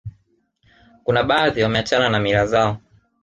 kuna baadhi wameachana na mila zao